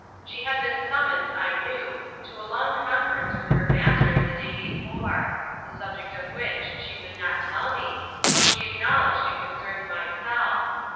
She had been summoned, I knew, to a long conference with her master the day before the subject of which she would not tell me, though she acknowledged it concerned myself.